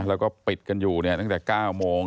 แล้วก็ปิดกันอยู่ตั้งแต่๙โมง